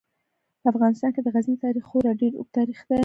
په افغانستان کې د غزني تاریخ خورا ډیر اوږد تاریخ دی.